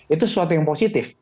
itu sesuatu yang positif